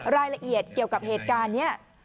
รายละเอียดเกี่ยวกับเหตุการณ์นี้